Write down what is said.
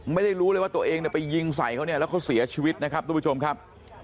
ไม่รู้เลยว่าตัวเองเนี่ยไปยิงใส่เขาเนี่ยแล้วเขาเสียชีวิตนะครับทุกผู้ชมครับ